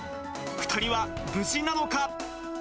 ２人は無事なのか。